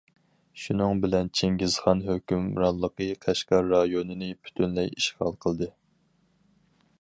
شۇنىڭ بىلەن چىڭگىزخان ھۆكۈمرانلىقى قەشقەر رايونىنى پۈتۈنلەي ئىشغال قىلدى.